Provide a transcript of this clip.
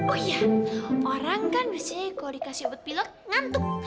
oh iya orang kan biasanya kalau dikasih obat pilot ngantuk